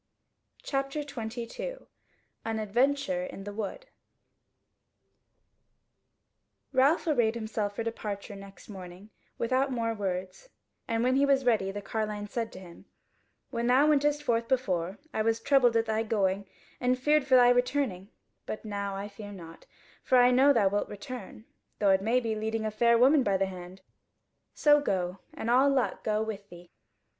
CHAPTER 22 An Adventure in the Wood Ralph arrayed himself for departure next morning without more words; and when he was ready the carline said to him: "When thou wentest forth before, I was troubled at thy going and feared for thy returning: but now I fear not; for I know that thou wilt return; though it may be leading a fair woman by the hand. So go, and all luck go with thee."